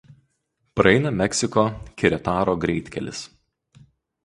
Praeina Meksiko–Keretaro greitkelis.